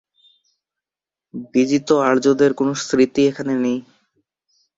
বিজিত আর্যদের কোন স্মৃতি এখানে নেই।